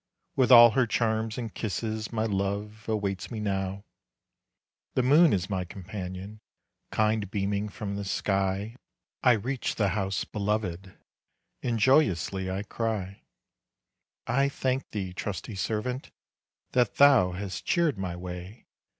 With all her charms and kisses My love awaits me now. The moon is my companion, Kind beaming from the sky I reach the house beloved, And joyously I cry "I thank thee, trusty servant, That thou hast cheered my way.